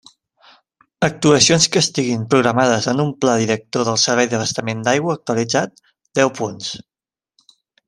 Actuacions que estiguin programades en un Pla director del servei d'abastament d'aigua actualitzat: deu punts.